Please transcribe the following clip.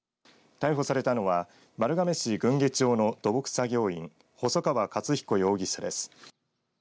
逮捕されたのは丸亀市郡家町の土木作業員細川勝彦容疑者です。